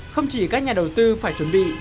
không chỉ các nhà đầu tư phải chuẩn bị